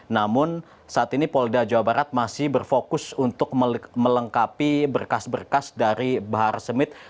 namun saat ini polda jawa barat masih berfokus untuk melengkapi berkas berkas dari bahar smith